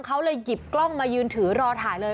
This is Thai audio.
เขาเลยหยิบกล้องมายืนถือรอถ่ายเลย